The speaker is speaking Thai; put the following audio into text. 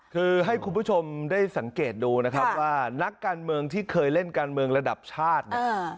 คือให้คุณผู้ชมได้สังเกตดูนะครับว่านักการเมืองที่เคยเล่นการเมืองระดับชาติเนี่ย